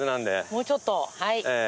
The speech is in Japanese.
もうちょっとはい。